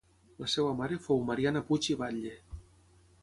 La seva mare fou Mariana Puig i Batlle.